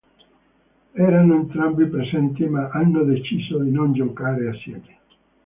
Erano entrambi presenti, ma hanno deciso di non giocare assieme.